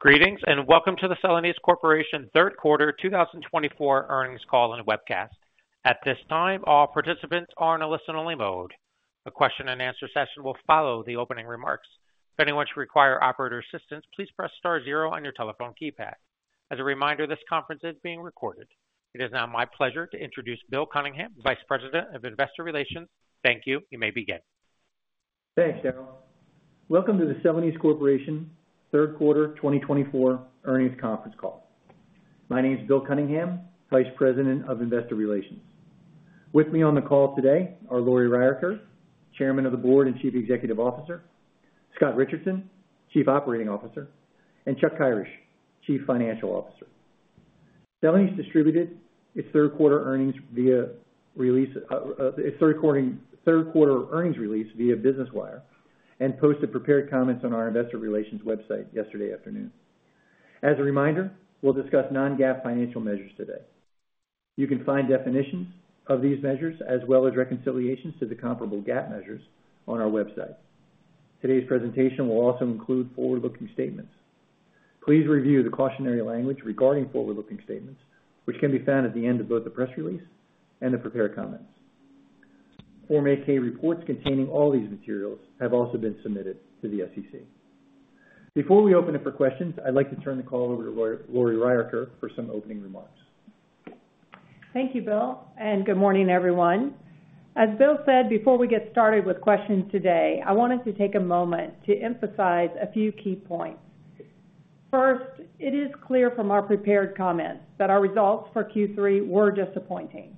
Greetings and welcome to the Celanese Corporation third quarter 2024 earnings call and webcast. At this time, all participants are in a listen-only mode. A question-and-answer session will follow the opening remarks. If anyone should require operator assistance, please press star zero on your telephone keypad. As a reminder, this conference is being recorded. It is now my pleasure to introduce Bill Cunningham, Vice President of Investor Relations. Thank you. You may begin. Thanks, Darrel. Welcome to the Celanese Corporation third quarter 2024 earnings conference call. My name is Bill Cunningham, Vice President of Investor Relations. With me on the call today are Lori Ryerkerk, Chairman of the Board and Chief Executive Officer, Scott Richardson, Chief Operating Officer, and Chuck Kyrish, Chief Financial Officer. Celanese distributed its third quarter earnings release via Business Wire and posted prepared comments on our Investor Relations website yesterday afternoon. As a reminder, we'll discuss non-GAAP financial measures today. You can find definitions of these measures as well as reconciliations to the comparable GAAP measures on our website. Today's presentation will also include forward-looking statements. Please review the cautionary language regarding forward-looking statements, which can be found at the end of both the press release and the prepared comments. 8-K reports containing all these materials have also been submitted to the SEC. Before we open it for questions, I'd like to turn the call over to Lori Ryerkerk for some opening remarks. Thank you, Bill, and good morning, everyone. As Bill said, before we get started with questions today, I wanted to take a moment to emphasize a few key points. First, it is clear from our prepared comments that our results for Q3 were disappointing,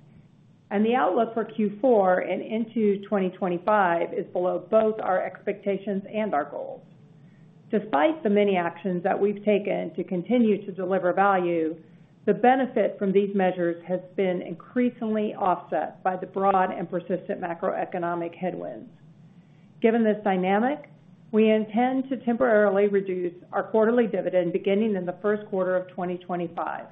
and the outlook for Q4 and into 2025 is below both our expectations and our goals. Despite the many actions that we've taken to continue to deliver value, the benefit from these measures has been increasingly offset by the broad and persistent macroeconomic headwinds. Given this dynamic, we intend to temporarily reduce our quarterly dividend beginning in the first quarter of 2025.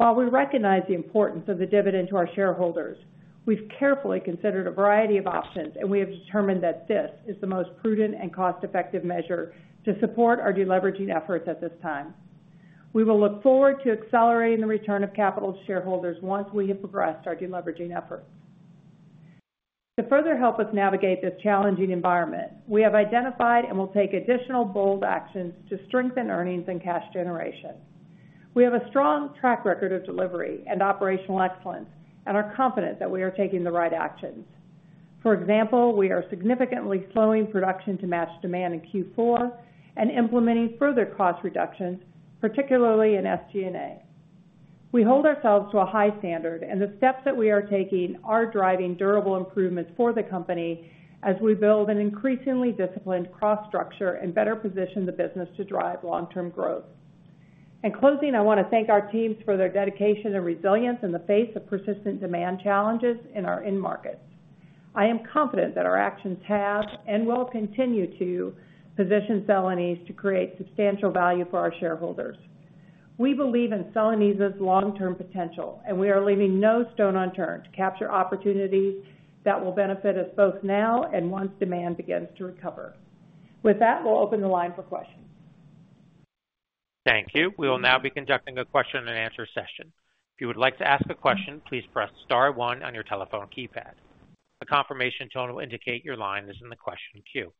While we recognize the importance of the dividend to our shareholders, we've carefully considered a variety of options, and we have determined that this is the most prudent and cost-effective measure to support our deleveraging efforts at this time. We will look forward to accelerating the return of capital to shareholders once we have progressed our deleveraging efforts. To further help us navigate this challenging environment, we have identified and will take additional bold actions to strengthen earnings and cash generation. We have a strong track record of delivery and operational excellence and are confident that we are taking the right actions. For example, we are significantly slowing production to match demand in Q4 and implementing further cost reductions, particularly in SG&A. We hold ourselves to a high standard, and the steps that we are taking are driving durable improvements for the company as we build an increasingly disciplined cost structure and better position the business to drive long-term growth. In closing, I want to thank our teams for their dedication and resilience in the face of persistent demand challenges in our end markets. I am confident that our actions have and will continue to position Celanese to create substantial value for our shareholders. We believe in Celanese's long-term potential, and we are leaving no stone unturned to capture opportunities that will benefit us both now and once demand begins to recover. With that, we'll open the line for questions. Thank you. We will now be conducting a question-and-answer session. If you would like to ask a question, please press star one on your telephone keypad. A confirmation tone will indicate your line is in the question queue.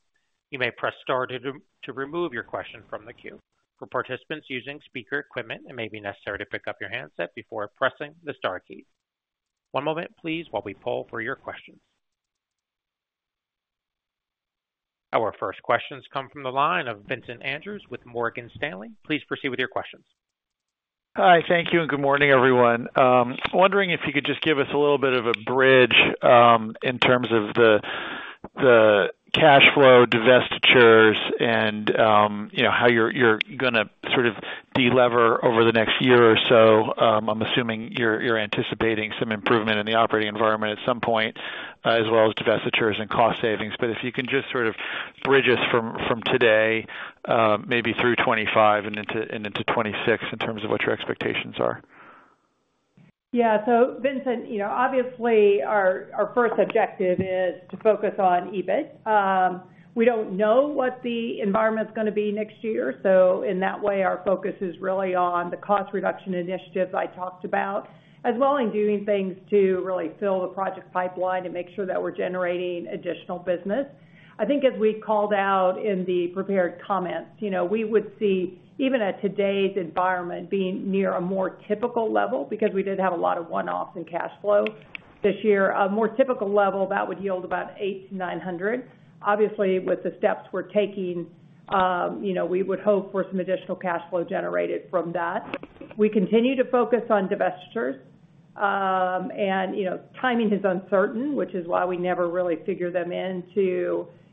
You may press star to remove your question from the queue. For participants using speaker equipment, it may be necessary to pick up your handset before pressing the star key. One moment, please, while we poll for your questions. Our first questions come from the line of Vincent Andrews with Morgan Stanley. Please proceed with your questions. Hi, thank you, and good morning, everyone. Wondering if you could just give us a little bit of a bridge, in terms of the, the cash flow, divestitures, and, you know, how you're, you're gonna sort of delever over the next year or so. I'm assuming you're, you're anticipating some improvement in the operating environment at some point, as well as divestitures and cost savings. But if you can just sort of bridge us from, from today, maybe through 2025 and into and into 2026 in terms of what your expectations are. Yeah. So, Vincent, you know, obviously, our first objective is to focus on EBIT. We don't know what the environment's gonna be next year. So, in that way, our focus is really on the cost reduction initiatives I talked about, as well as doing things to really fill the project pipeline and make sure that we're generating additional business. I think as we called out in the prepared comments, you know, we would see even at today's environment being near a more typical level because we did have a lot of one-offs in cash flow this year, a more typical level that would yield about $800 million-$900 million. Obviously, with the steps we're taking, you know, we would hope for some additional cash flow generated from that. We continue to focus on divestitures. And, you know, timing is uncertain, which is why we never really figure them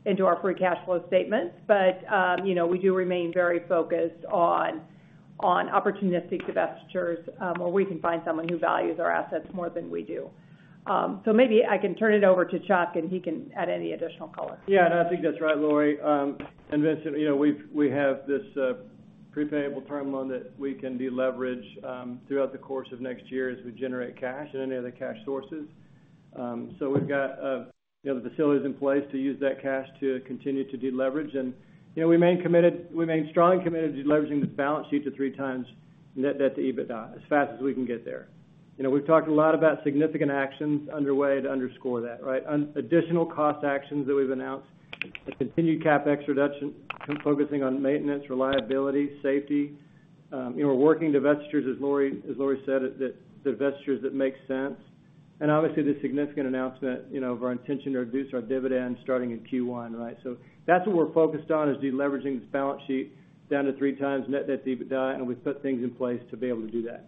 into our free cash flow statements. But, you know, we do remain very focused on opportunistic divestitures, where we can find someone who values our assets more than we do. So maybe I can turn it over to Chuck, and he can add any additional color. Yeah, and I think that's right, Lori and Vincent. You know, we've, we have this prepayable term loan that we can deleverage throughout the course of next year as we generate cash and any other cash sources, so we've got, you know, the facilities in place to use that cash to continue to deleverage. And you know, we remain committed, we remain strongly committed to deleveraging the balance sheet to 3x net debt to EBITDA as fast as we can get there. You know, we've talked a lot about significant actions underway to underscore that, right? Additional cost actions that we've announced, continued CapEx reduction, focusing on maintenance, reliability, safety. You know, we're working divestitures, as Lori, as Lori said, that divestitures that make sense, and obviously, the significant announcement, you know, of our intention to reduce our dividend starting in Q1, right? So that's what we're focused on, is deleveraging this balance sheet down to three times net debt to EBITDA, and we've put things in place to be able to do that.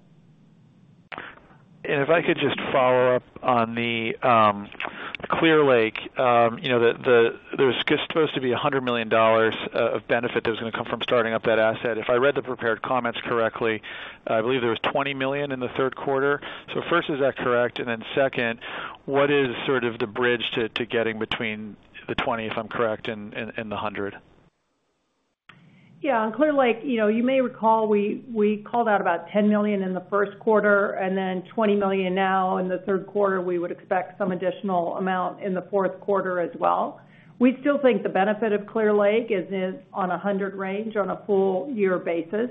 And if I could just follow up on the Clear Lake, you know, the—there was supposed to be $100 million of benefit that was gonna come from starting up that asset. If I read the prepared comments correctly, I believe there was $20 million in the third quarter. So first, is that correct? And then second, what is sort of the bridge to getting between the 20, if I'm correct, and the 100? Yeah. On Clear Lake, you know, you may recall we called out about $10 million in the first quarter, and then $20 million now. In the third quarter, we would expect some additional amount in the fourth quarter as well. We still think the benefit of Clear Lake is in the $100 million range on a full-year basis,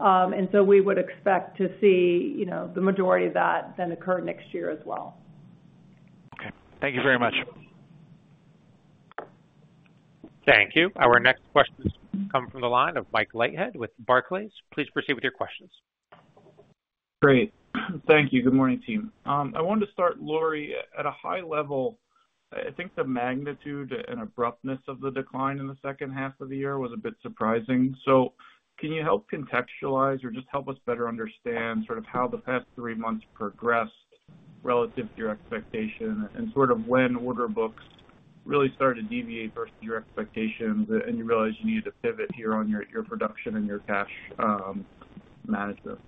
and so we would expect to see, you know, the majority of that then occur next year as well. Okay. Thank you very much. Thank you. Our next questions come from the line of Mike Leithead with Barclays. Please proceed with your questions. Great. Thank you. Good morning, team. I wanted to start, Lori, at a high level. I think the magnitude and abruptness of the decline in the second half of the year was a bit surprising. So can you help contextualize or just help us better understand sort of how the past three months progressed relative to your expectation and sort of when order books really started to deviate versus your expectations and you realized you needed to pivot here on your production and your cash management?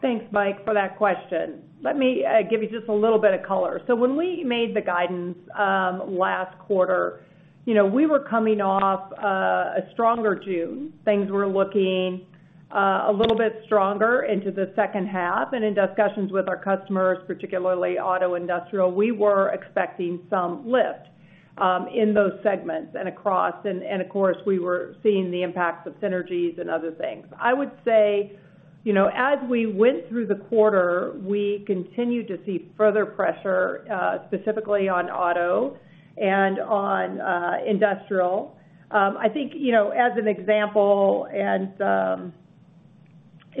Thanks, Mike, for that question. Let me give you just a little bit of color. So when we made the guidance last quarter, you know, we were coming off a stronger June. Things were looking a little bit stronger into the second half. And in discussions with our customers, particularly auto industrial, we were expecting some lift in those segments and across. And of course, we were seeing the impacts of synergies and other things. I would say, you know, as we went through the quarter, we continued to see further pressure, specifically on auto and on industrial. I think, you know, as an example, and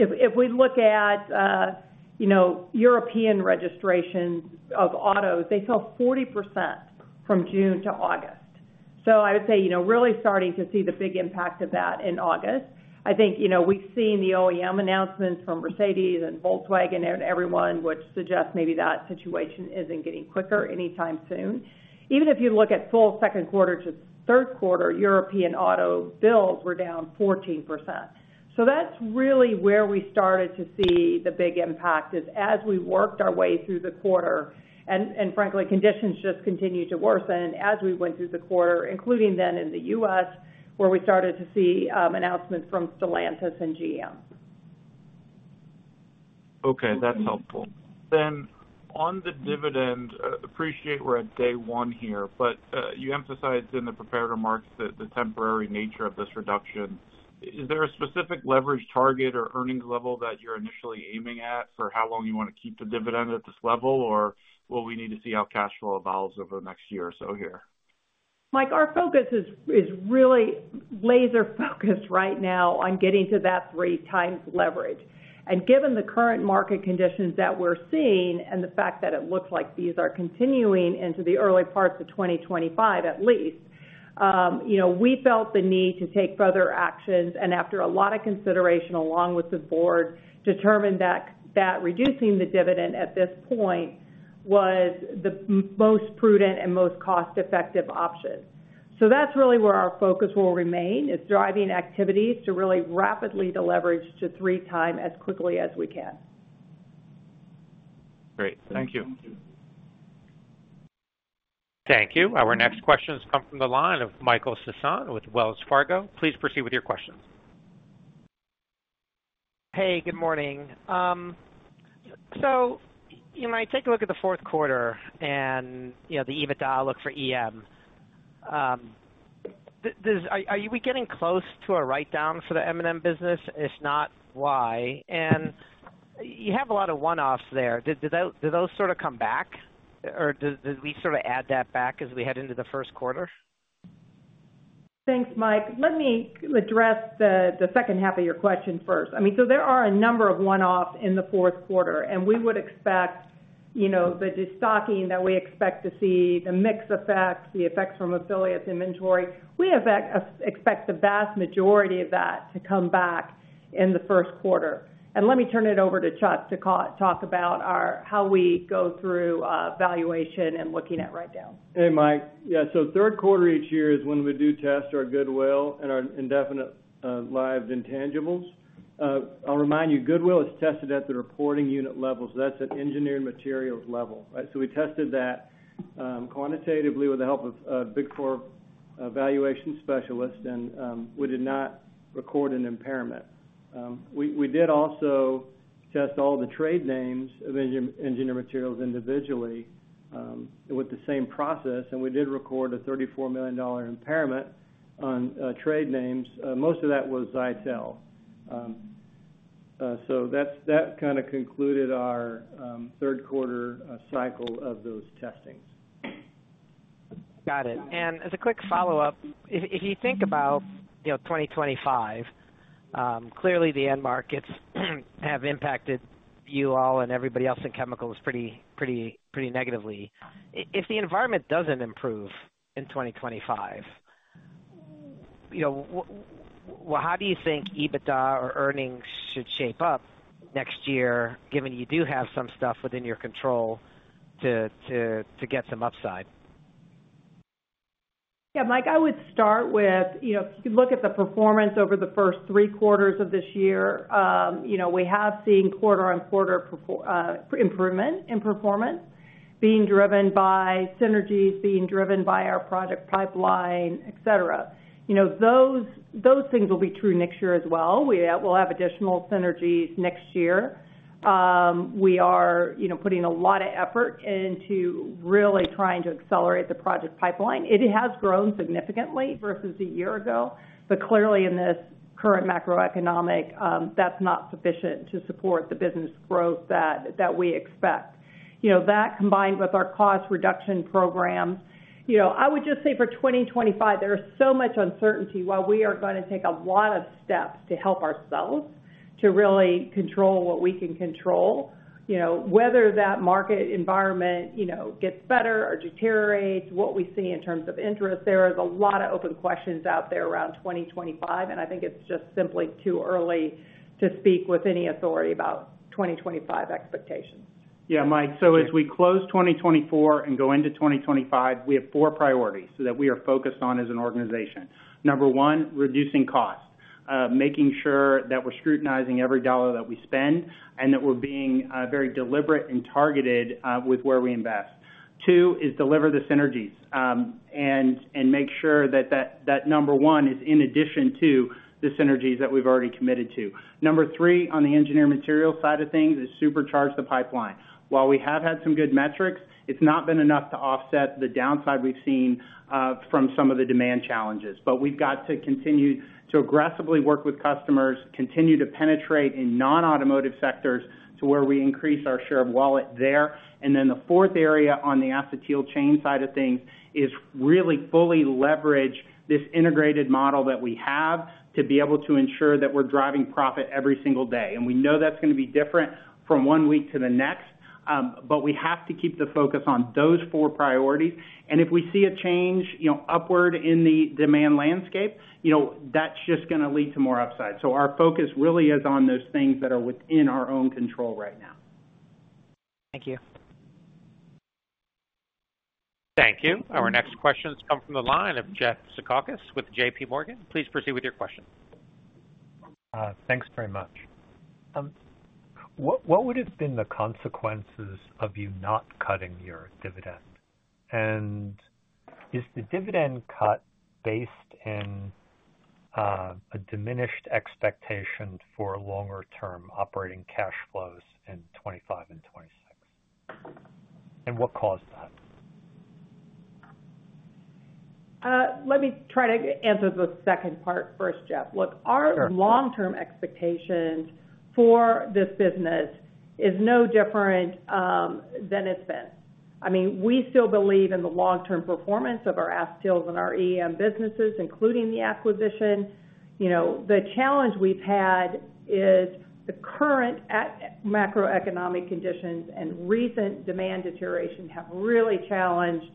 if we look at, you know, European registrations of autos, they fell 40% from June to August. So I would say, you know, really starting to see the big impact of that in August. I think, you know, we've seen the OEM announcements from Mercedes and Volkswagen and everyone, which suggests maybe that situation isn't getting better anytime soon. Even if you look at full second quarter to third quarter, European auto builds were down 14%. So that's really where we started to see the big impact is as we worked our way through the quarter. And frankly, conditions just continued to worsen as we went through the quarter, including then in the U.S., where we started to see announcements from Stellantis and GM. Okay. That's helpful. Then on the dividend, appreciate we're at day one here, but you emphasized in the prepared remarks that the temporary nature of this reduction. Is there a specific leverage target or earnings level that you're initially aiming at for how long you want to keep the dividend at this level, or will we need to see how cash flow evolves over the next year or so here? Mike, our focus is really laser-focused right now on getting to that three times leverage. And given the current market conditions that we're seeing and the fact that it looks like these are continuing into the early parts of 2025 at least, you know, we felt the need to take further actions. And after a lot of consideration along with the board, determined that reducing the dividend at this point was the most prudent and most cost-effective option. So that's really where our focus will remain, is driving activities to really rapidly deleverage to three times as quickly as we can. Great. Thank you. Thank you. Our next questions come from the line of Michael Sison with Wells Fargo. Please proceed with your questions. Hey, good morning, so you know, I take a look at the fourth quarter and, you know, the EBITDA. I look for EM. This is, are you getting close to a write-down for the M&M business? If not, why? And you have a lot of one-offs there. Did those sort of come back, or did we sort of add that back as we head into the first quarter? Thanks, Mike. Let me address the second half of your question first. I mean, so there are a number of one-offs in the fourth quarter, and we would expect, you know, the destocking that we expect to see, the mixed effects, the effects from affiliates inventory. We expect the vast majority of that to come back in the first quarter, and let me turn it over to Chuck to comment on how we go through valuation and looking at write-down. Hey, Mike. Yeah. So third quarter each year is when we do test our goodwill and our indefinite-lived intangibles. I'll remind you, goodwill is tested at the reporting unit level. So that's an Engineered Materials level, right? So we tested that quantitatively with the help of Big Four valuation specialists, and we did not record an impairment. We did also test all the trade names of Engineered Materials individually with the same process, and we did record a $34 million impairment on trade names. Most of that was Zytel. So that's that kind of concluded our third quarter cycle of those testings. Got it. And as a quick follow-up, if you think about, you know, 2025, clearly the end markets have impacted you all and everybody else in chemicals pretty negatively. If the environment doesn't improve in 2025, you know, how do you think EBITDA or earnings should shape up next year, given you do have some stuff within your control to get some upside? Yeah, Mike, I would start with, you know, if you could look at the performance over the first three quarters of this year, you know, we have seen quarter-on-quarter improvement in performance being driven by synergies, being driven by our project pipeline, etc. You know, those things will be true next year as well. We will have additional synergies next year. We are, you know, putting a lot of effort into really trying to accelerate the project pipeline. It has grown significantly versus a year ago, but clearly in this current macroeconomic, that's not sufficient to support the business growth that we expect. You know, that combined with our cost reduction program, you know, I would just say for 2025, there is so much uncertainty while we are going to take a lot of steps to help ourselves to really control what we can control. You know, whether that market environment, you know, gets better or deteriorates, what we see in terms of interest, there is a lot of open questions out there around 2025, and I think it's just simply too early to speak with any authority about 2025 expectations. Yeah, Mike. So as we close 2024 and go into 2025, we have four priorities that we are focused on as an organization. Number one, reducing cost, making sure that we're scrutinizing every dollar that we spend and that we're being very deliberate and targeted with where we invest. Two is deliver the synergies, and make sure that number one is in addition to the synergies that we've already committed to. Number three, on the engineered materials side of things, is supercharge the pipeline. While we have had some good metrics, it's not been enough to offset the downside we've seen from some of the demand challenges. But we've got to continue to aggressively work with customers, continue to penetrate in non-automotive sectors to where we increase our share of wallet there. And then the fourth area on the Acetyl Chain side of things is really fully leverage this integrated model that we have to be able to ensure that we're driving profit every single day. And we know that's gonna be different from one week to the next, but we have to keep the focus on those four priorities. And if we see a change, you know, upward in the demand landscape, you know, that's just gonna lead to more upside. So our focus really is on those things that are within our own control right now. Thank you. Thank you. Our next questions come from the line of Jeff Zekauskas with JPMorgan. Please proceed with your question. Thanks very much. What would have been the consequences of you not cutting your dividend? Is the dividend cut based on a diminished expectation for longer-term operating cash flows in 2025 and 2026? What caused that? Let me try to answer the second part first, Jeff. Look, our long-term expectations for this business is no different than it's been. I mean, we still believe in the long-term performance of our Acetyl and our EM businesses, including the acquisition. You know, the challenge we've had is the current macroeconomic conditions and recent demand deterioration have really challenged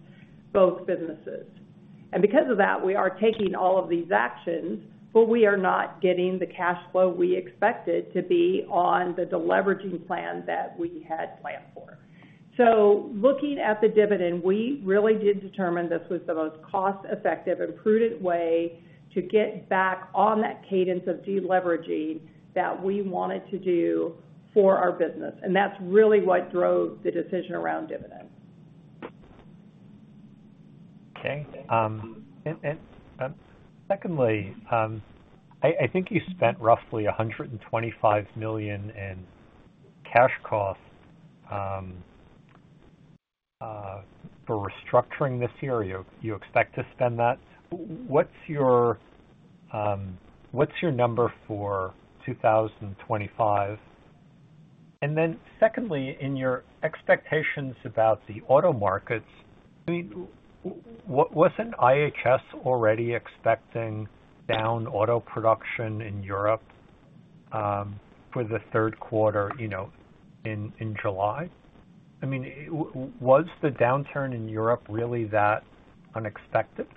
both businesses. And because of that, we are taking all of these actions, but we are not getting the cash flow we expected to be on the deleveraging plan that we had planned for. So looking at the dividend, we really did determine this was the most cost-effective and prudent way to get back on that cadence of deleveraging that we wanted to do for our business. And that's really what drove the decision around dividends. Okay. And secondly, I think you spent roughly $125 million in cash costs for restructuring this year. You expect to spend that. What's your number for 2025? And then secondly, in your expectations about the auto markets, I mean, wasn't IHS already expecting down auto production in Europe for the third quarter, you know, in July? I mean, was the downturn in Europe really that unexpected?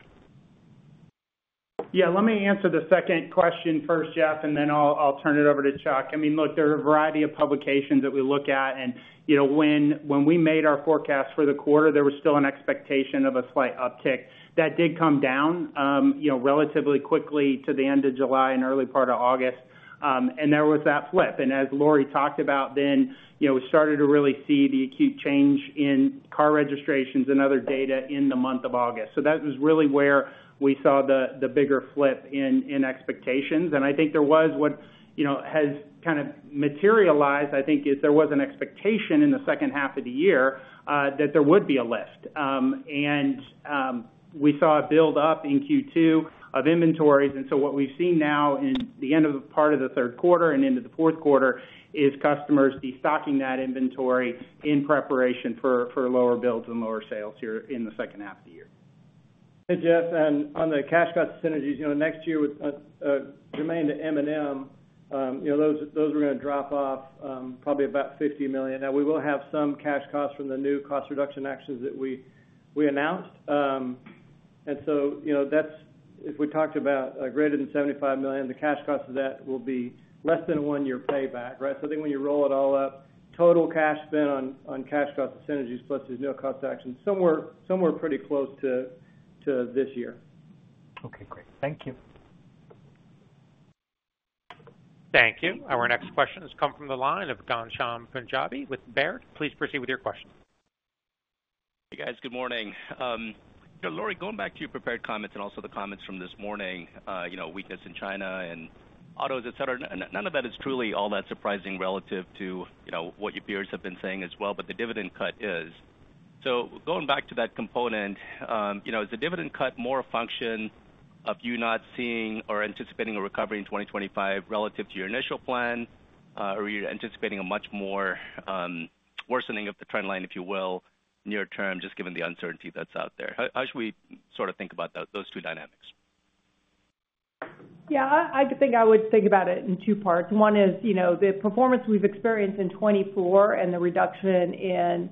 Yeah. Let me answer the second question first, Jeff, and then I'll turn it over to Chuck. I mean, look, there are a variety of publications that we look at, and you know, when we made our forecast for the quarter, there was still an expectation of a slight uptick. That did come down, you know, relatively quickly to the end of July and early part of August, and there was that flip. And as Lori talked about, then you know, we started to really see the acute change in car registrations and other data in the month of August. So that was really where we saw the bigger flip in expectations. And I think what you know has kind of materialized, I think, is there was an expectation in the second half of the year that there would be a lift. And, we saw a build-up in Q2 of inventories. And so what we've seen now in the end of the part of the third quarter and into the fourth quarter is customers destocking that inventory in preparation for, for lower builds and lower sales here in the second half of the year. Hey, Jeff. And on the cash cost synergies, you know, next year with germane to M&M, you know, those were gonna drop off, probably about $50 million. Now, we will have some cash costs from the new cost reduction actions that we announced. And so, you know, that's if we talked about greater than $75 million, the cash cost of that will be less than a one-year payback, right? So I think when you roll it all up, total cash spent on cash cost synergies plus these new cost actions, somewhere pretty close to this year. Okay. Great. Thank you. Thank you. Our next questions come from the line of Ghansham Panjabi with Baird. Please proceed with your question. Hey, guys. Good morning. You know, Lori, going back to your prepared comments and also the comments from this morning, you know, weakness in China and autos, et cetra, none of that is truly all that surprising relative to, you know, what your peers have been saying as well, but the dividend cut is. So going back to that component, you know, is the dividend cut more a function of you not seeing or anticipating a recovery in 2025 relative to your initial plan, or you're anticipating a much more worsening of the trend line, if you will, near term, just given the uncertainty that's out there? How should we sort of think about those two dynamics? Yeah. I think I would think about it in two parts. One is, you know, the performance we've experienced in 2024 and the reduction in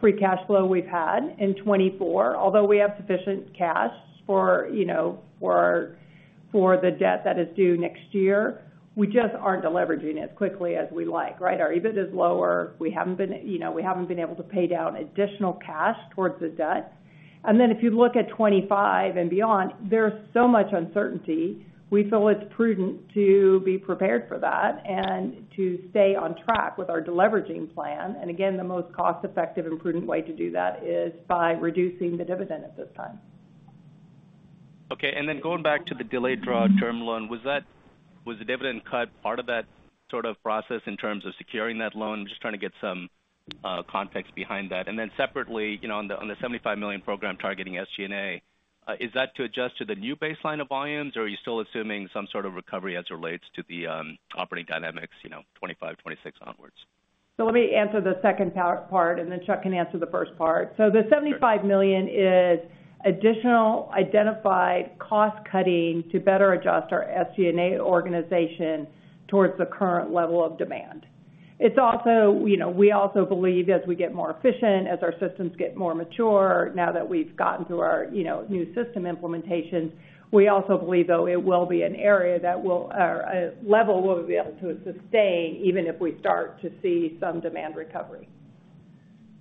free cash flow we've had in 2024, although we have sufficient cash for, you know, for the debt that is due next year, we just aren't deleveraging as quickly as we like, right? Our EBIT is lower. We haven't been, you know, able to pay down additional cash towards the debt. And then if you look at 2025 and beyond, there's so much uncertainty. We feel it's prudent to be prepared for that and to stay on track with our deleveraging plan. And again, the most cost-effective and prudent way to do that is by reducing the dividend at this time. Okay. And then going back to the delayed draw term loan, was that the dividend cut part of that sort of process in terms of securing that loan? I'm just trying to get some context behind that. And then separately, you know, on the $75 million program targeting SG&A, is that to adjust to the new baseline of volumes, or are you still assuming some sort of recovery as it relates to the operating dynamics, you know, 2025, 2026 onwards? So let me answer the second part and then Chuck can answer the first part. So the $75 million is additional identified cost cutting to better adjust our SG&A organization towards the current level of demand. It's also, you know, we also believe as we get more efficient, as our systems get more mature, now that we've gotten through our, you know, new system implementations, we also believe, though, it will be an area that will or a level we'll be able to sustain even if we start to see some demand recovery.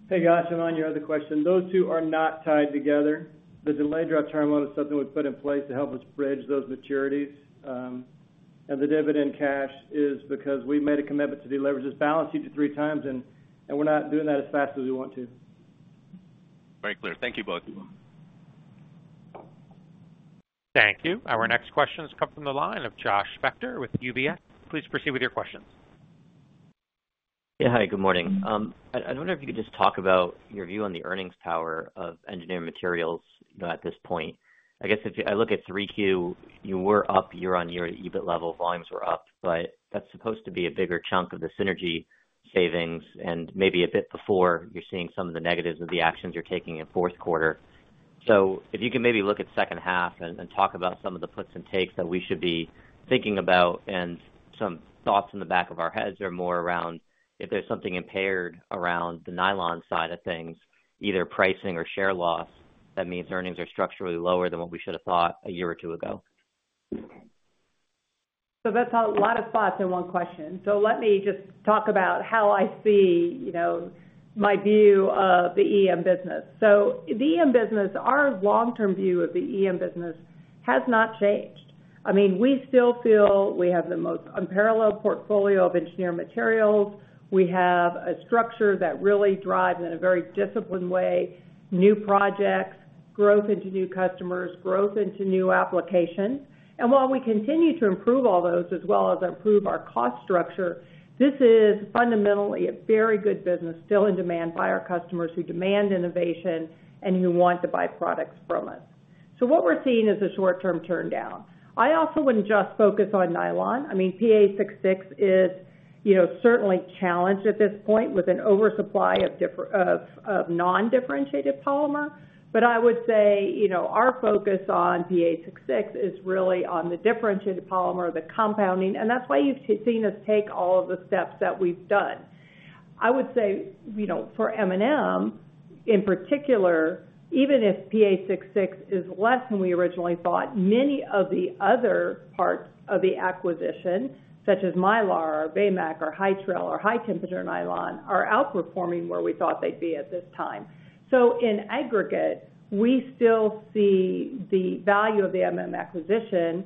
Hey, Ghansham, on your other question, those two are not tied together. The delayed draw term loan is something we've put in place to help us bridge those maturities, and the dividend cash is because we've made a commitment to deleverage this balance sheet to three times, and we're not doing that as fast as we want to. Very clear. Thank you both. Thank you. Our next questions come from the line of Josh Spector with UBS. Please proceed with your questions. Yeah. Hi, good morning. I wonder if you could just talk about your view on the earnings power of engineered materials, you know, at this point. I guess if I look at 3Q, you were up year-on-year at EBIT level. Volumes were up, but that's supposed to be a bigger chunk of the synergy savings and maybe a bit before you're seeing some of the negatives of the actions you're taking in fourth quarter. So if you can maybe look at second half and talk about some of the puts and takes that we should be thinking about and some thoughts in the back of our heads are more around if there's something impaired around the nylon side of things, either pricing or share loss, that means earnings are structurally lower than what we should have thought a year or two ago. So that's a lot of thoughts in one question. So let me just talk about how I see, you know, my view of the EM business. So the EM business, our long-term view of the EM business has not changed. I mean, we still feel we have the most unparalleled portfolio of engineered materials. We have a structure that really drives in a very disciplined way new projects, growth into new customers, growth into new applications. And while we continue to improve all those as well as improve our cost structure, this is fundamentally a very good business still in demand by our customers who demand innovation and who want to buy products from us. So what we're seeing is a short-term turndown. I also wouldn't just focus on nylon. I mean, PA66 is, you know, certainly challenged at this point with an oversupply of non-differentiated polymer. But I would say, you know, our focus on PA66 is really on the differentiated polymer, the compounding, and that's why you've seen us take all of the steps that we've done. I would say, you know, for M&M in particular, even if PA66 is less than we originally thought, many of the other parts of the acquisition, such as Mylar or Vamac or Hytrel or high-temperature nylon, are outperforming where we thought they'd be at this time. So in aggregate, we still see the value of the M&M acquisition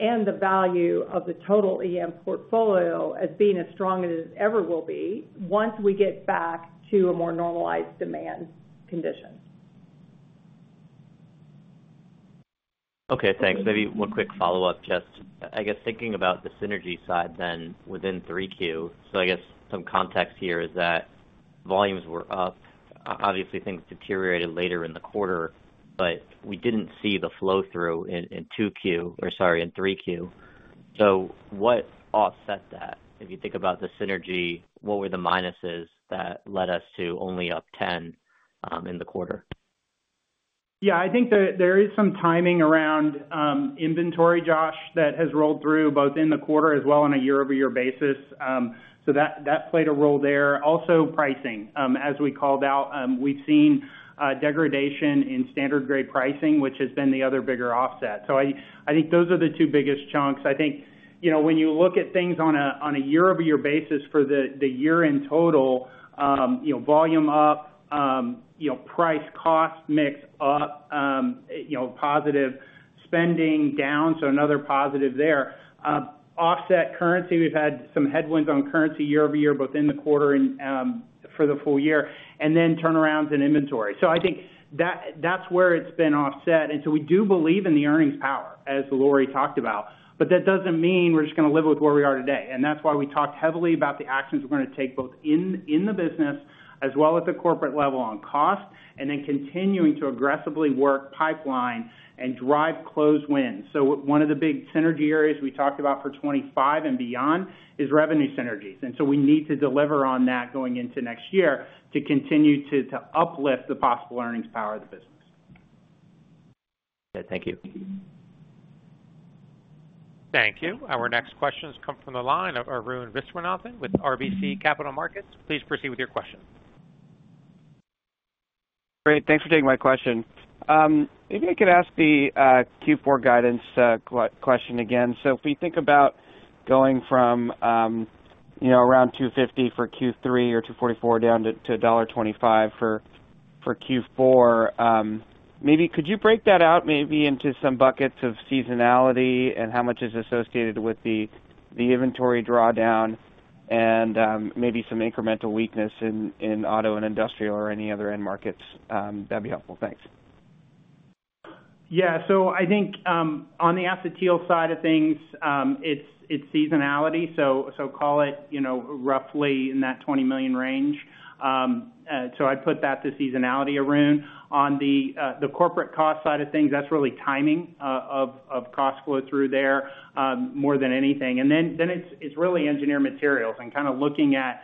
and the value of the total EM portfolio as being as strong as it ever will be once we get back to a more normalized demand condition. Okay. Thanks. Maybe one quick follow-up, Jeff. I guess thinking about the synergy side then within 3Q, so I guess some context here is that volumes were up. Obviously, things deteriorated later in the quarter, but we didn't see the flow-through in 2Q, or sorry, in 3Q. So what offset that? If you think about the synergy, what were the minuses that led us to only up 10 in the quarter? Yeah. I think there is some timing around inventory, Josh, that has rolled through both in the quarter as well on a year-over-year basis, so that played a role there. Also, pricing, as we called out, we've seen degradation in standard-grade pricing, which has been the other bigger offset, so I think those are the two biggest chunks. I think, you know, when you look at things on a year-over-year basis for the year in total, you know, volume up, you know, price-cost mix up, you know, positive spending down, so another positive there. Offset currency, we've had some headwinds on currency year-over-year both in the quarter and for the full year, and then turnarounds in inventory, so I think that's where it's been offset, and so we do believe in the earnings power, as Lori talked about. That doesn't mean we're just gonna live with where we are today. And that's why we talked heavily about the actions we're going to take both in the business as well as the corporate level on cost and then continuing to aggressively work pipeline and drive close wins. So one of the big synergy areas we talked about for 2025 and beyond is revenue synergies. And so we need to deliver on that going into next year to continue to uplift the possible earnings power of the business. Yeah. Thank you. Thank you. Our next questions come from the line of Arun Viswanathan with RBC Capital Markets. Please proceed with your question. Great. Thanks for taking my question. Maybe I could ask the Q4 guidance question again. So if we think about going from, you know, around 2.50 for Q3 or 2.44 down to $1.25 for Q4, maybe could you break that out maybe into some buckets of seasonality and how much is associated with the inventory drawdown and maybe some incremental weakness in auto and industrial or any other end markets? That'd be helpful. Thanks. Yeah. So I think, on the acetyl side of things, it's seasonality. So call it, you know, roughly in that $20 million range. So I'd put that to seasonality, Arun. On the corporate cost side of things, that's really timing of cost flow-through there, more than anything. And then it's really engineered materials and kind of looking at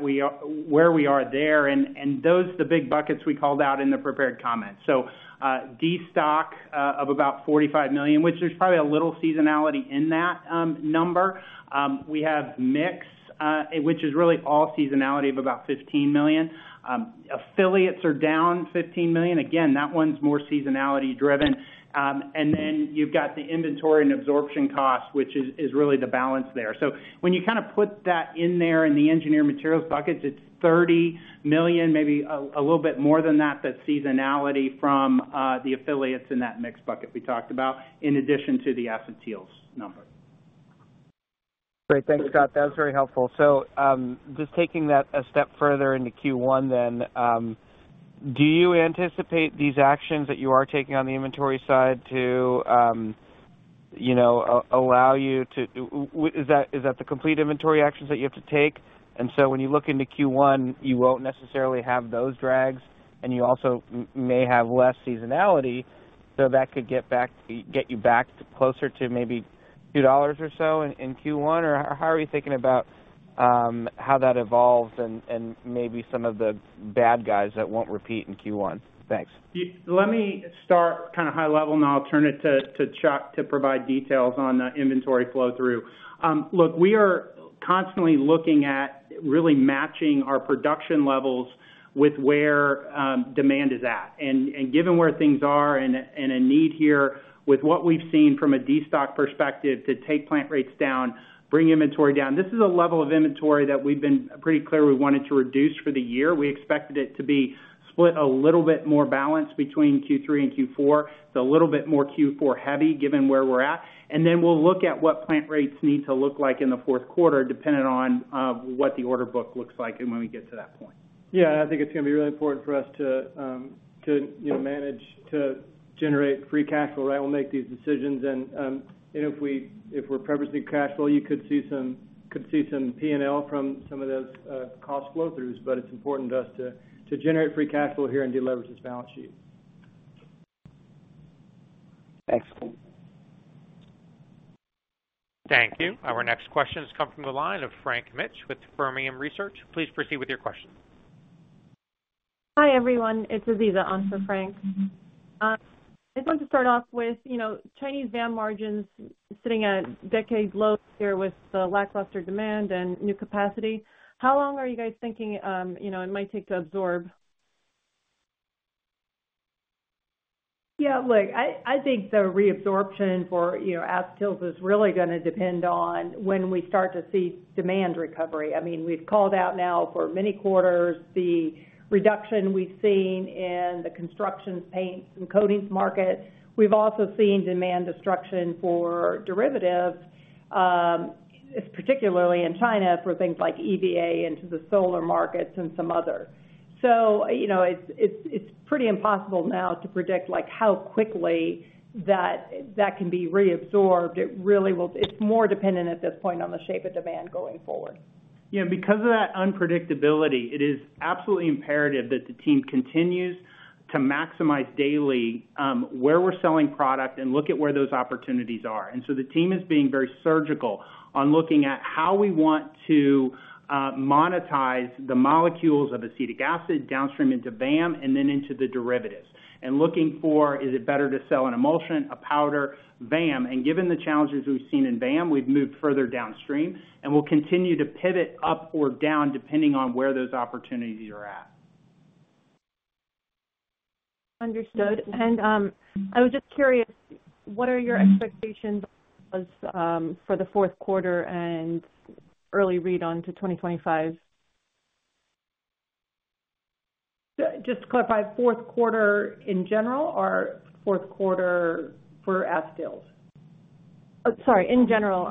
we are where we are there. And those are the big buckets we called out in the prepared comments. So destock of about $45 million, which there's probably a little seasonality in that number. We have mix, which is really all seasonality of about $15 million. Affiliates are down $15 million. Again, that one's more seasonality-driven. And then you've got the inventory and absorption cost, which is really the balance there. So when you kind of put that in there in the Engineered Materials buckets, it's $30 million, maybe a little bit more than that, that seasonality from the affiliates in that mix bucket we talked about in addition to the acetyls number. Great. Thanks, Scott. That was very helpful. So, just taking that a step further into Q1 then, do you anticipate these actions that you are taking on the inventory side to, you know, allow you to. Is that the complete inventory actions that you have to take? And so when you look into Q1, you won't necessarily have those drags, and you also may have less seasonality. So that could get you back closer to maybe $2 or so in Q1? Or how are you thinking about how that evolves and maybe some of the bad guys that won't repeat in Q1? Thanks. Yeah, let me start kind of high level, and I'll turn it to Chuck to provide details on the inventory flow-through. Look, we are constantly looking at really matching our production levels with where demand is at, and given where things are and a need here with what we've seen from a destock perspective to take plant rates down, bring inventory down. This is a level of inventory that we've been pretty clear we wanted to reduce for the year. We expected it to be split a little bit more balanced between Q3 and Q4. It's a little bit more Q4-heavy given where we're at, and then we'll look at what plant rates need to look like in the fourth quarter depending on what the order book looks like and when we get to that point. Yeah. I think it's going to be really important for us to manage to generate free cash flow, right? We'll make these decisions. And, you know, if we're prepping some cash flow, you could see some P&L from some of those cost flow-throughs. But it's important to us to generate free cash flow here and deleverage this balance sheet. Excellent. Thank you. Our next questions come from the line of Frank Mitsch with Fermium Research. Please proceed with your questions. Hi, everyone. It's Aziza answering for Frank. I just wanted to start off with, you know, Chinese VAM margins sitting at decades low here with the lackluster demand and new capacity. How long are you guys thinking, you know, it might take to absorb? Yeah. Look, I think the reabsorption for, you know, acetyls is really gonna depend on when we start to see demand recovery. I mean, we've called out now for many quarters the reduction we've seen in the construction paints and coatings market. We've also seen demand destruction for derivatives, particularly in China for things like EVA into the solar markets and some other. So, you know, it's pretty impossible now to predict, like, how quickly that can be reabsorbed. It really will. It's more dependent at this point on the shape of demand going forward. Yeah. And because of that unpredictability, it is absolutely imperative that the team continues to maximize daily where we're selling product and look at where those opportunities are. And so the team is being very surgical on looking at how we want to monetize the molecules of acetic acid downstream into VAM and then into the derivatives and looking for, is it better to sell an emulsion, a powder, VAM. And given the challenges we've seen in VAM, we've moved further downstream, and we'll continue to pivot up or down depending on where those opportunities are at. Understood, and I was just curious, what are your expectations as for the fourth quarter and early read onto 2025? So just to clarify, fourth quarter in general or fourth quarter for acetyls? Sorry. In general,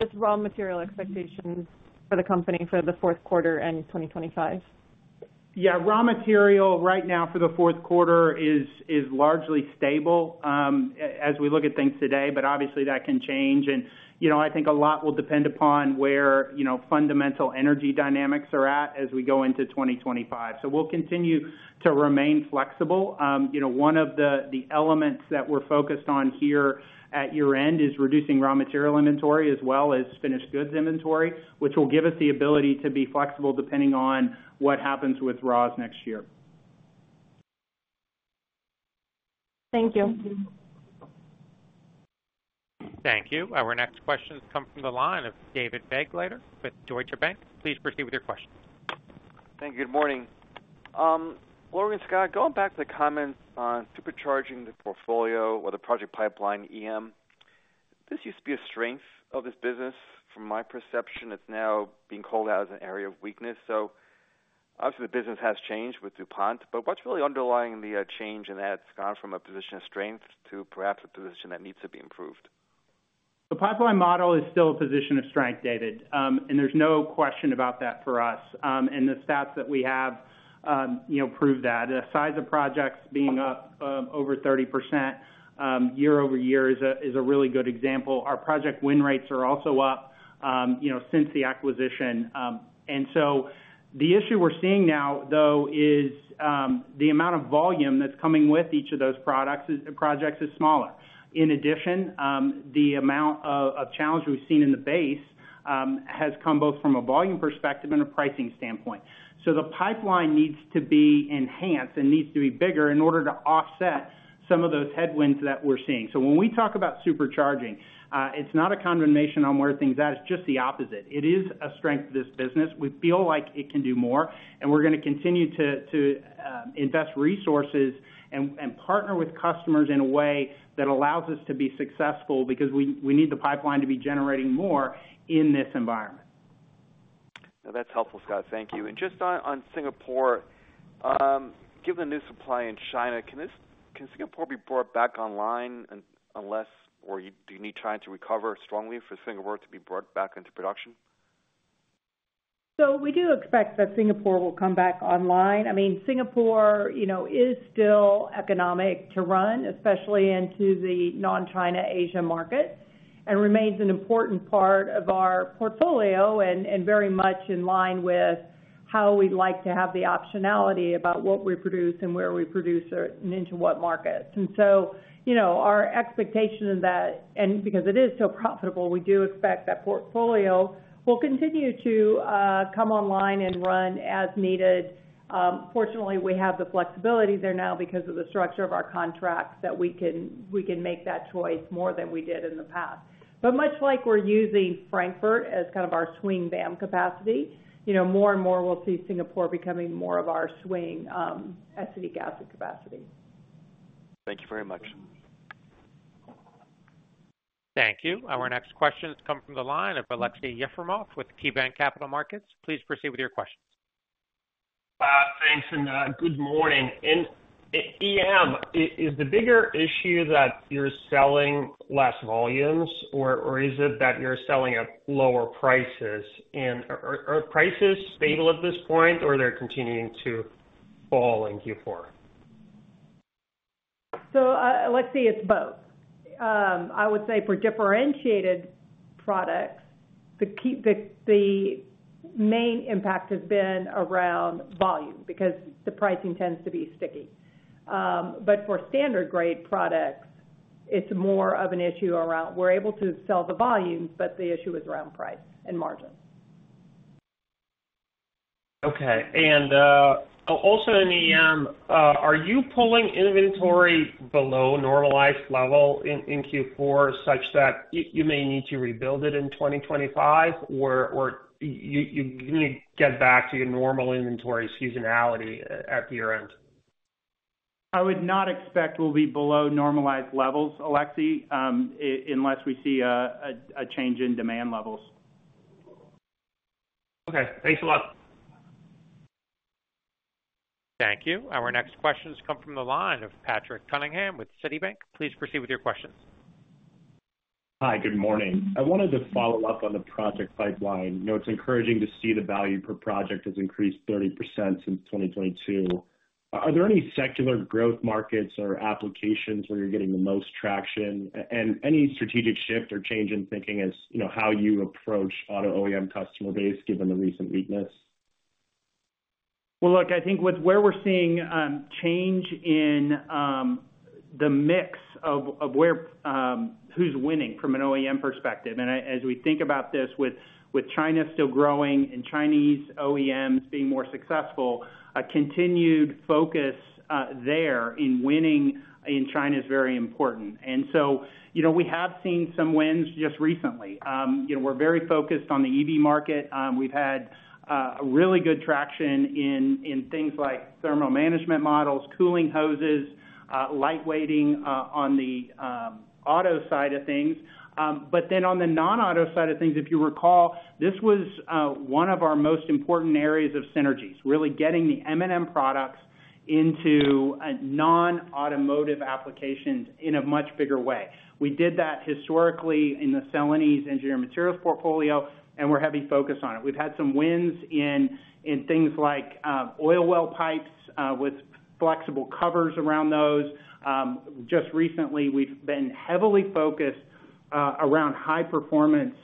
just raw material expectations for the company for the fourth quarter and 2025. Yeah. Raw material right now for the fourth quarter is largely stable as we look at things today. But obviously, that can change. And, you know, I think a lot will depend upon where, you know, fundamental energy dynamics are at as we go into 2025. So we'll continue to remain flexible. You know, one of the elements that we're focused on here at year-end is reducing raw material inventory as well as finished goods inventory, which will give us the ability to be flexible depending on what happens with raws next year. Thank you. Thank you. Our next questions come from the line of David Begleiter with Deutsche Bank. Please proceed with your questions. Thank you. Good morning. Lori and Scott, going back to the comments on supercharging the portfolio or the project pipeline EM, this used to be a strength of this business. From my perception, it's now being called out as an area of weakness. So obviously, the business has changed with DuPont. But what's really underlying the change in that it's gone from a position of strength to perhaps a position that needs to be improved? The pipeline model is still a position of strength, David. There's no question about that for us. The stats that we have, you know, prove that. The size of projects being up over 30% year-over-year is a really good example. Our project win rates are also up, you know, since the acquisition. The issue we're seeing now, though, is the amount of volume that's coming with each of those projects is smaller. In addition, the amount of challenge we've seen in the base has come both from a volume perspective and a pricing standpoint. The pipeline needs to be enhanced and needs to be bigger in order to offset some of those headwinds that we're seeing. When we talk about supercharging, it's not a condemnation on where things are at. It's just the opposite. It is a strength of this business. We feel like it can do more. And we're gonna continue to invest resources and partner with customers in a way that allows us to be successful because we need the pipeline to be generating more in this environment. Now, that's helpful, Scott. Thank you. And just on Singapore, given the new supply in China, can Singapore be brought back online unless or do you need China to recover strongly for Singapore to be brought back into production? So we do expect that Singapore will come back online. I mean, Singapore, you know, is still economical to run, especially into the non-China Asia market, and remains an important part of our portfolio and very much in line with how we'd like to have the optionality about what we produce and where we produce it and into what markets. And so, you know, our expectation in that and because it is so profitable, we do expect that portfolio will continue to come online and run as needed. Fortunately, we have the flexibility there now because of the structure of our contracts that we can make that choice more than we did in the past. But much like we're using Frankfurt as kind of our swing VAM capacity, you know, more and more we'll see Singapore becoming more of our swing acetic acid capacity. Thank you very much. Thank you. Our next questions come from the line of Aleksey Yefremov with KeyBanc Capital Markets. Please proceed with your questions. Thanks. And good morning. In EM, is the bigger issue that you're selling less volumes, or is it that you're selling at lower prices? And are prices stable at this point, or are they continuing to fall in Q4? Let's see. It's both. I would say for differentiated products, the key, the main impact has been around volume because the pricing tends to be sticky. But for standard-grade products, it's more of an issue around, we're able to sell the volumes, but the issue is around price and margin. Okay. And, also, in EM, are you pulling inventory below normalized level in Q4 such that you may need to rebuild it in 2025, or you need to get back to your normal inventory seasonality at year-end? I would not expect we'll be below normalized levels, Aleksey, unless we see a change in demand levels. Okay. Thanks a lot. Thank you. Our next questions come from the line of Patrick Cunningham with Citibank. Please proceed with your questions. Hi. Good morning. I wanted to follow up on the project pipeline. You know, it's encouraging to see the value per project has increased 30% since 2022. Are there any secular growth markets or applications where you're getting the most traction? And any strategic shift or change in thinking as, you know, how you approach auto OEM customer base given the recent weakness? Well, look, I think with where we're seeing change in the mix of where who's winning from an OEM perspective. And as we think about this with China still growing and Chinese OEMs being more successful, a continued focus there in winning in China is very important. And so, you know, we have seen some wins just recently. You know, we're very focused on the EV market. We've had really good traction in things like thermal management modules, cooling hoses, lightweighting on the auto side of things. But then on the non-auto side of things, if you recall, this was one of our most important areas of synergies, really getting the M&M products into non-automotive applications in a much bigger way. We did that historically in the Celanese Engineered Materials portfolio, and we're heavily focused on it. We've had some wins in things like oil well pipes with flexible covers around those. Just recently, we've been heavily focused around high-performance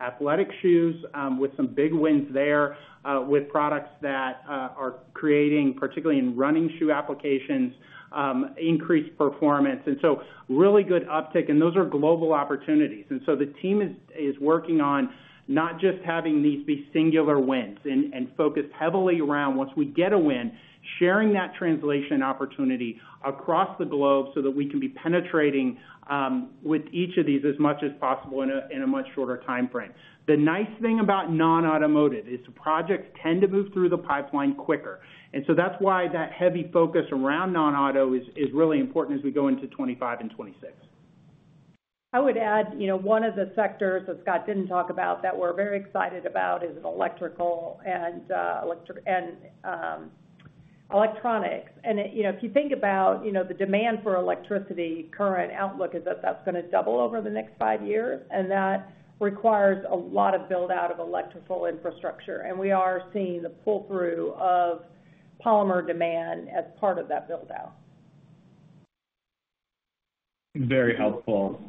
athletic shoes with some big wins there with products that are creating, particularly in running shoe applications, increased performance and so really good uptick and those are global opportunities and so the team is working on not just having these be singular wins and focused heavily around once we get a win, sharing that translation opportunity across the globe so that we can be penetrating with each of these as much as possible in a much shorter time frame. The nice thing about non-automotive is the projects tend to move through the pipeline quicker and so that's why that heavy focus around non-auto is really important as we go into 2025 and 2026. I would add, you know, one of the sectors that Scott didn't talk about that we're very excited about is electrical, electric, and electronics. And, you know, if you think about, you know, the demand for electricity, current outlook is that that's gonna double over the next five years, and that requires a lot of build-out of electrical infrastructure. And we are seeing the pull-through of polymer demand as part of that build-out. Very helpful.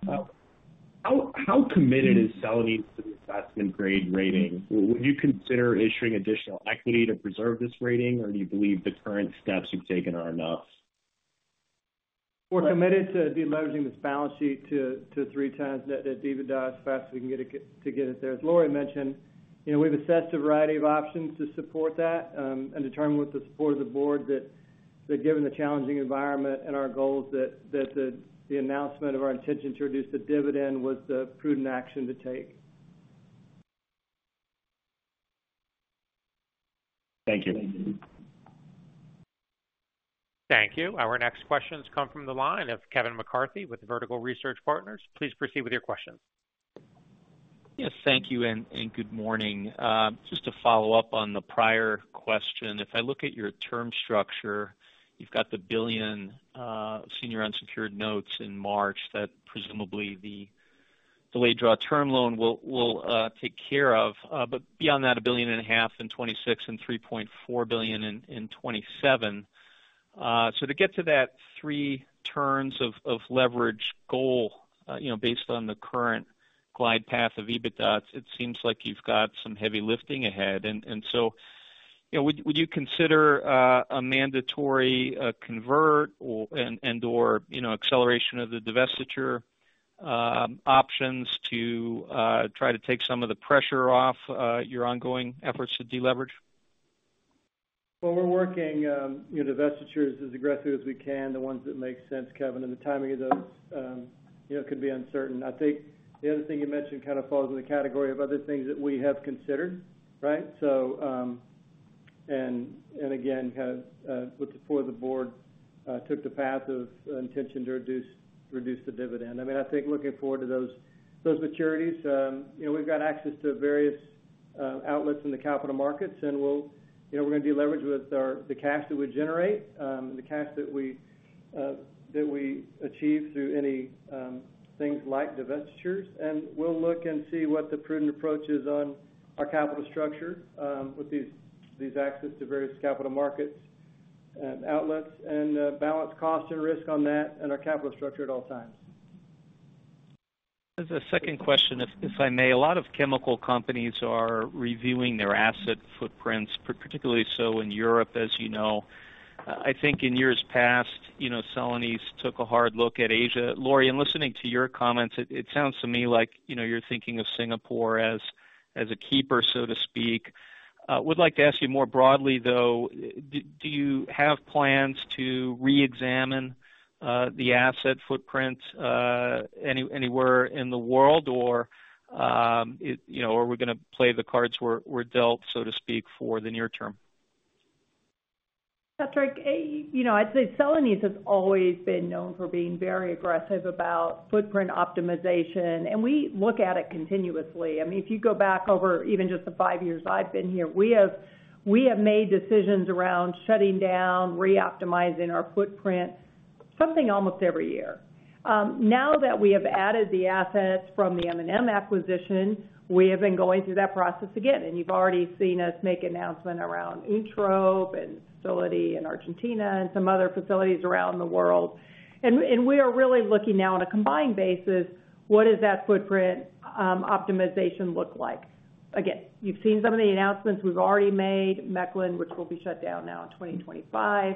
How committed is Celanese to the investment grade rating? Would you consider issuing additional equity to preserve this rating, or do you believe the current steps you've taken are enough? We're committed to deleveraging this balance sheet to three times net debt to EBITDA as fast as we can get it there. As Lori mentioned, you know, we've assessed a variety of options to support that, and determined with the support of the Board that given the challenging environment and our goals, that the announcement of our intention to reduce the dividend was the prudent action to take. Thank you. Thank you. Our next questions come from the line of Kevin McCarthy with Vertical Research Partners. Please proceed with your questions. Yes. Thank you. And good morning. Just to follow up on the prior question, if I look at your term structure, you've got the $1 billion senior unsecured notes in March that presumably the delayed draw term loan will take care of. But beyond that, $1.5 billion in 2026 and $3.4 billion in 2027. So to get to that three turns of leverage goal, you know, based on the current glide path of EBITDA, it seems like you've got some heavy lifting ahead. And so, you know, would you consider a mandatory convertible and/or, you know, acceleration of the divestiture options to try to take some of the pressure off your ongoing efforts to deleverage? Well, we're working, you know, divestitures as aggressively as we can, the ones that make sense, Kevin. The timing of those, you know, could be uncertain. I think the other thing you mentioned kind of falls in the category of other things that we have considered, right? So, and again, kind of, with the support of the board, took the path of intention to reduce the dividend. I mean, I think looking forward to those maturities, you know, we've got access to various outlets in the capital markets, and we'll, you know, we're gonna deleverage with the cash that we generate, the cash that we achieve through any things like divestitures. We'll look and see what the prudent approach is on our capital structure, with these access to various capital markets, outlets, and balance cost and risk on that and our capital structure at all times. As a second question, if I may, a lot of chemical companies are reviewing their asset footprints, particularly so in Europe, as you know. I think in years past, you know, Celanese took a hard look at Asia. Lori, in listening to your comments, it sounds to me like, you know, you're thinking of Singapore as a keeper, so to speak. I would like to ask you more broadly, though. Do you have plans to re-examine the asset footprint anywhere in the world, or, you know, are we going to play the cards we're dealt, so to speak, for the near term? Patrick, you know, I'd say Celanese has always been known for being very aggressive about footprint optimization, and we look at it continuously. I mean, if you go back over even just the five years I've been here, we have made decisions around shutting down, re-optimizing our footprint, something almost every year. Now that we have added the assets from the M&M acquisition, we have been going through that process again, and you've already seen us make announcement around a facility in Argentina and some other facilities around the world, and we are really looking now on a combined basis, what does that footprint optimization look like? Again, you've seen some of the announcements we've already made, Mechelen, which will be shut down now in 2025.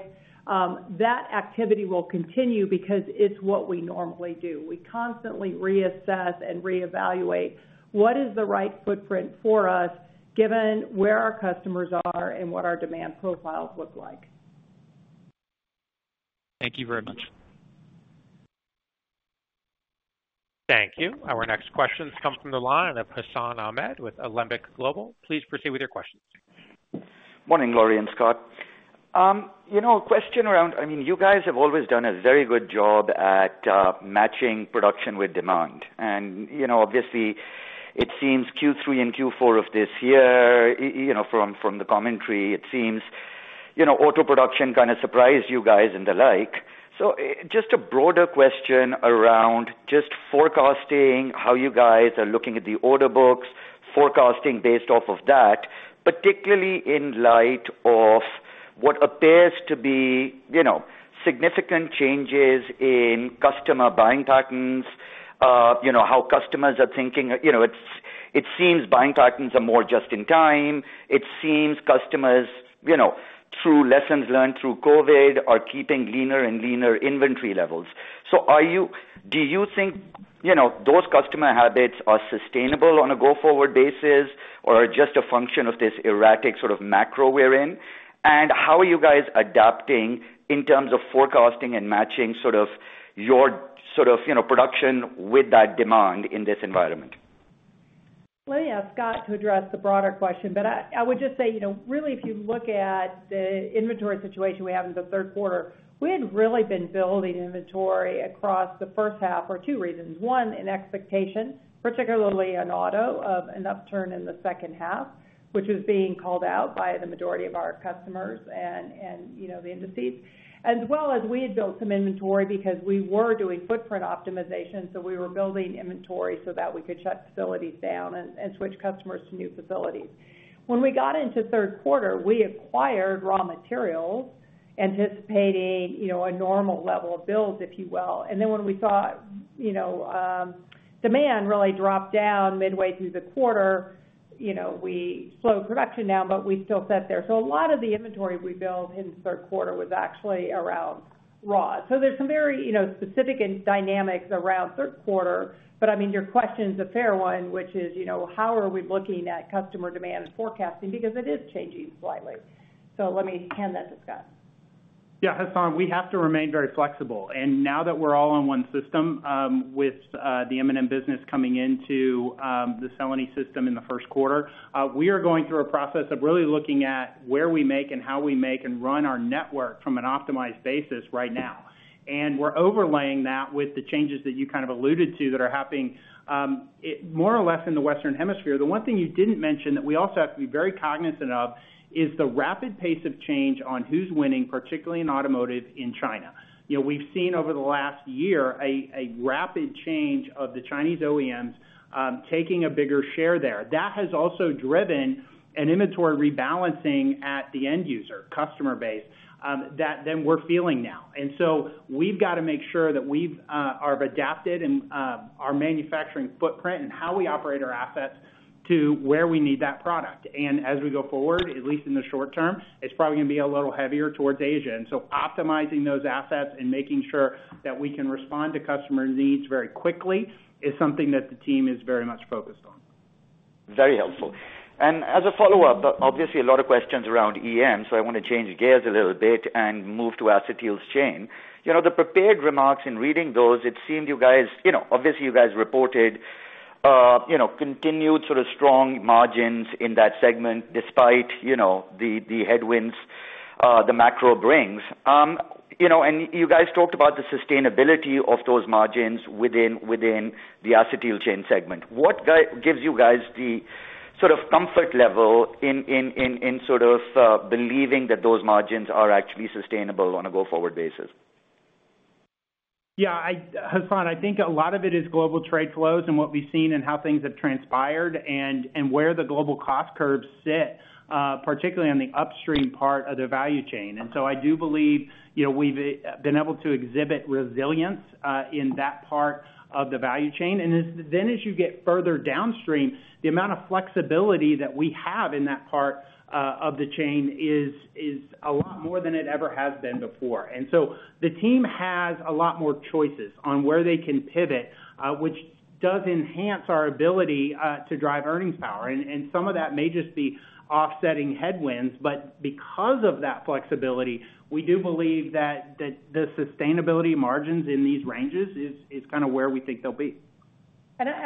That activity will continue because it's what we normally do. We constantly reassess and re-evaluate what is the right footprint for us given where our customers are and what our demand profiles look like. Thank you very much. Thank you. Our next questions come from the line of Hassan Ahmed with Alembic Global Advisors. Please proceed with your questions. Morning, Lori and Scott. You know, a question around, I mean, you guys have always done a very good job at matching production with demand. And, you know, obviously, it seems Q3 and Q4 of this year, you know, from the commentary, it seems, you know, auto production kind of surprised you guys and the like. So just a broader question around just forecasting how you guys are looking at the order books, forecasting based off of that, particularly in light of what appears to be, you know, significant changes in customer buying patterns, you know, how customers are thinking. You know, it seems buying patterns are more just in time. It seems customers, you know, through lessons learned through COVID, are keeping leaner and leaner inventory levels. Do you think, you know, those customer habits are sustainable on a go-forward basis, or are just a function of this erratic sort of macro we're in? And how are you guys adapting in terms of forecasting and matching sort of your production with that demand in this environment? I have got to address the broader question, but I would just say, you know, really, if you look at the inventory situation we have in the third quarter, we had really been building inventory across the first half for two reasons. One, an expectation, particularly in auto, of an upturn in the second half, which was being called out by the majority of our customers and, you know, the indices, as well as we had built some inventory because we were doing footprint optimization. So we were building inventory so that we could shut facilities down and switch customers to new facilities. When we got into third quarter, we acquired raw materials anticipating, you know, a normal level of builds, if you will. Then when we saw, you know, demand really dropped down midway through the quarter, you know, we slowed production down, but we still sat there. So a lot of the inventory we built in the third quarter was actually around raw. So there's some very, you know, specific dynamics around third quarter. But I mean, your question's a fair one, which is, you know, how are we looking at customer demand and forecasting because it is changing slightly? So let me hand that to Scott. Yeah. Hassan, we have to remain very flexible. And now that we're all on one system, with the M&M business coming into the Celanese system in the first quarter, we are going through a process of really looking at where we make and how we make and run our network from an optimized basis right now. And we're overlaying that with the changes that you kind of alluded to that are happening, more or less in the Western Hemisphere. The one thing you didn't mention that we also have to be very cognizant of is the rapid pace of change on who's winning, particularly in automotive in China. You know, we've seen over the last year a rapid change of the Chinese OEMs, taking a bigger share there. That has also driven an inventory rebalancing at the end user, customer base, that then we're feeling now. And so we've got to make sure that we are adapted and our manufacturing footprint and how we operate our assets to where we need that product. And as we go forward, at least in the short term, it's probably gonna be a little heavier towards Asia. And so optimizing those assets and making sure that we can respond to customer needs very quickly is something that the team is very much focused on. Very helpful. And as a follow-up, obviously, a lot of questions around EM, so I wanna change gears a little bit and move to Acetyl Chain. You know, the prepared remarks in reading those, it seemed you guys, you know, obviously, you guys reported, you know, continued sort of strong margins in that segment despite, you know, the headwinds the macro brings. You know, and you guys talked about the sustainability of those margins within the Acetyl Chain segment. What gives you guys the sort of comfort level in sort of believing that those margins are actually sustainable on a go-forward basis? Yeah. Hassan, I think a lot of it is global trade flows and what we've seen and how things have transpired and, and where the global cost curves sit, particularly on the upstream part of the value chain. And so I do believe, you know, we've been able to exhibit resilience in that part of the value chain. And then as you get further downstream, the amount of flexibility that we have in that part of the chain is, is a lot more than it ever has been before. And so the team has a lot more choices on where they can pivot, which does enhance our ability to drive earnings power. And, and some of that may just be offsetting headwinds, but because of that flexibility, we do believe that, that the sustainability margins in these ranges is, is kind of where we think they'll be.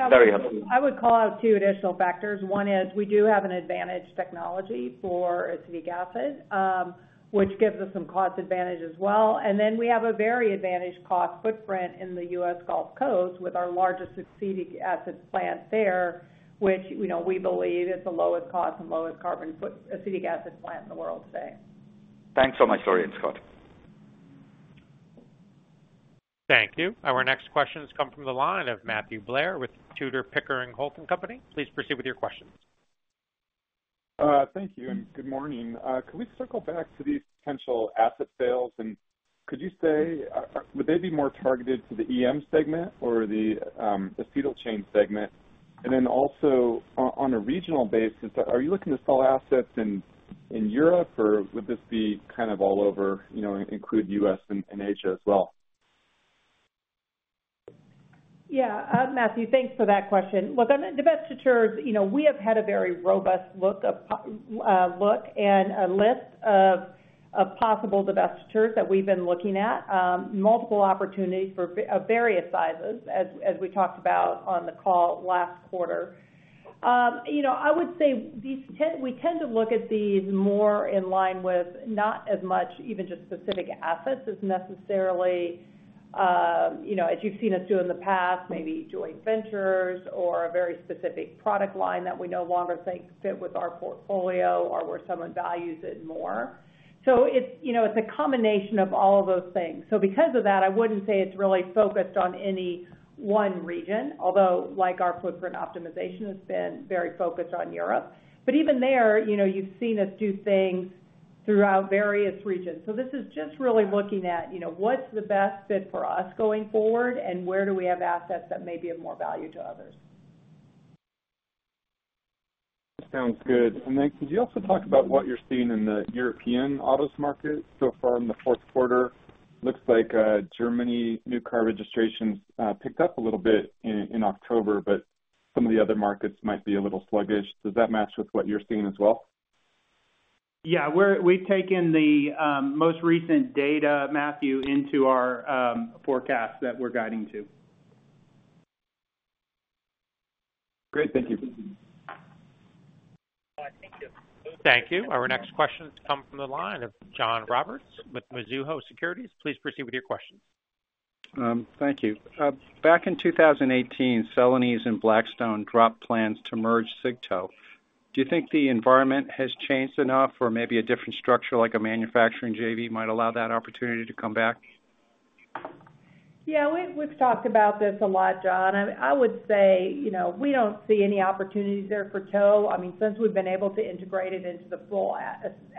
Very helpful. I would call out two additional factors. One is we do have an advanced technology for acetic acid, which gives us some cost advantage as well. And then we have a very advantageous cost footprint in the U.S. Gulf Coast with our largest acetic acid plant there, which, you know, we believe is the lowest cost and lowest carbon footprint acetic acid plant in the world today. Thanks so much, Lori and Scott. Thank you. Our next questions come from the line of Matthew Blair with Tudor, Pickering, Holt & Co. Please proceed with your questions. Thank you. And good morning. Could we circle back to these potential asset sales? And could you say, would they be more targeted to the EM segment or the Acetyl Chain segment? And then also on a regional basis, are you looking to sell assets in Europe, or would this be kind of all over, you know, include US and Asia as well? Yeah. Matthew, thanks for that question. Well, divestitures, you know, we have had a very robust look and a list of possible divestitures that we've been looking at, multiple opportunities for various sizes, as we talked about on the call last quarter. You know, I would say we tend to look at these more in line with not as much even just specific assets as necessarily, you know, as you've seen us do in the past, maybe joint ventures or a very specific product line that we no longer think fit with our portfolio or where someone values it more. So it's, you know, it's a combination of all of those things. So because of that, I wouldn't say it's really focused on any one region, although, like, our footprint optimization has been very focused on Europe. But even there, you know, you've seen us do things throughout various regions. So this is just really looking at, you know, what's the best fit for us going forward, and where do we have assets that may be of more value to others. Sounds good. And then could you also talk about what you're seeing in the European autos market so far in the fourth quarter? Looks like Germany's new car registrations picked up a little bit in October, but some of the other markets might be a little sluggish. Does that match with what you're seeing as well? Yeah. We've taken the most recent data, Matthew, into our forecast that we're guiding to. Great. Thank you. Thank you. Our next questions come from the line of John Roberts with Mizuho Securities. Please proceed with your questions. Thank you. Back in 2018, Celanese and Blackstone dropped plans to merge Acetow. Do you think the environment has changed enough or maybe a different structure, like a manufacturing JV, might allow that opportunity to come back? Yeah. We've talked about this a lot, John. I would say, you know, we don't see any opportunities there for tow. I mean, since we've been able to integrate it into the full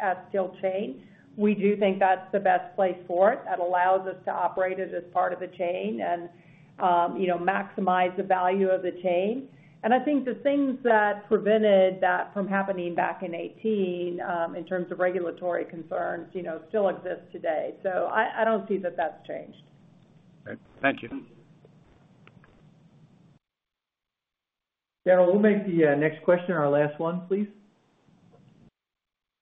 Acetyl Chain, we do think that's the best place for it. That allows us to operate it as part of the chain and, you know, maximize the value of the chain. And I think the things that prevented that from happening back in 2018, in terms of regulatory concerns, you know, still exist today. So I don't see that that's changed. Okay. Thank you. Yeah, we'll make the next question our last one, please.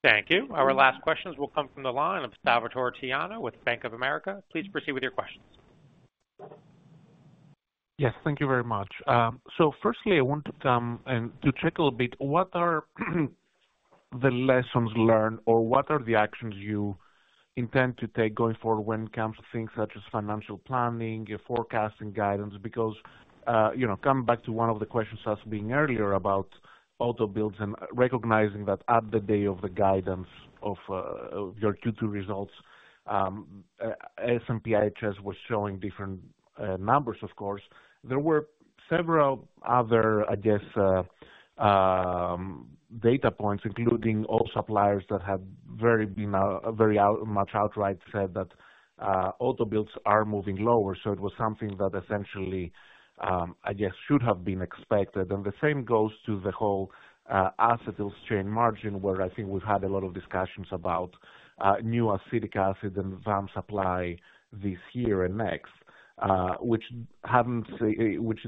Thank you. Our last questions will come from the line of Salvator Tiano with Bank of America. Please proceed with your questions. Yes. Thank you very much. So, I want to come and to check a little bit, what are the lessons learned or what are the actions you intend to take going forward when it comes to things such as financial planning, forecasting guidance? Because, you know, coming back to one of the questions asked being earlier about auto builds and recognizing that at the day of the guidance of your Q2 results, S&P IHS was showing different numbers, of course. There were several other, I guess, data points, including all suppliers that had been very, very much outright said that auto builds are moving lower. So it was something that essentially, I guess, should have been expected. The same goes to the whole Acetyl Chain margin, where I think we've had a lot of discussions about new acetic acid and VAM supply this year and next, which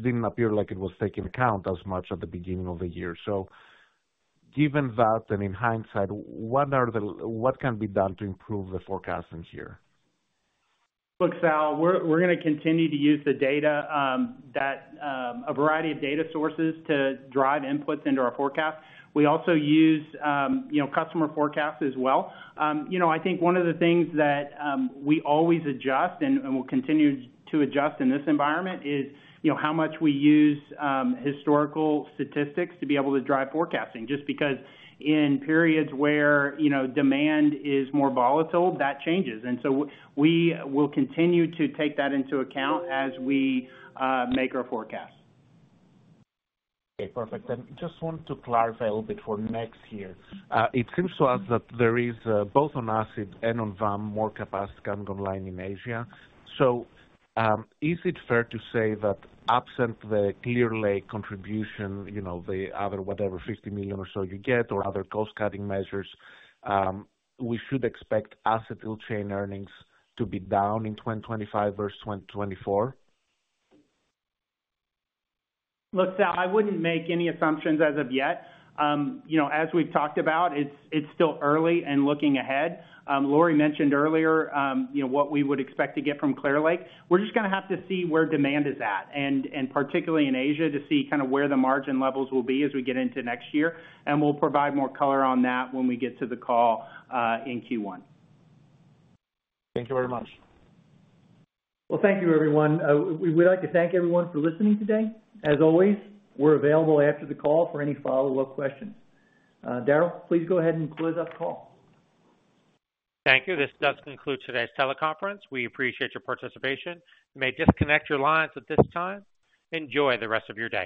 didn't appear like it was taken into account as much at the beginning of the year. Given that and in hindsight, what can be done to improve the forecasting here? Look, Sal, we're gonna continue to use the data, a variety of data sources to drive inputs into our forecast. We also use, you know, customer forecasts as well. You know, I think one of the things that we always adjust and will continue to adjust in this environment is, you know, how much we use historical statistics to be able to drive forecasting, just because in periods where, you know, demand is more volatile, that changes. So we will continue to take that into account as we make our forecast. Okay. Perfect. And just want to clarify a little bit for next year. It seems to us that there is, both on acid and on VAM, more capacity can go online in Asia. So, is it fair to say that absent the Clear Lake contribution, you know, the other whatever, $50 million or so you get or other cost-cutting measures, we should expect Acetyl Chain earnings to be down in 2025 versus 2024? Look, Sal, I wouldn't make any assumptions as of yet. You know, as we've talked about, it's still early in looking ahead. Lori mentioned earlier, you know, what we would expect to get from Clear Lake. We're just gonna have to see where demand is at and particularly in Asia to see kind of where the margin levels will be as we get into next year. And we'll provide more color on that when we get to the call in Q1. Thank you very much. Well, thank you, everyone. We'd like to thank everyone for listening today. As always, we're available after the call for any follow-up questions. Darrel, please go ahead and close out the call. Thank you. This does conclude today's teleconference. We appreciate your participation. You may disconnect your lines at this time. Enjoy the rest of your day.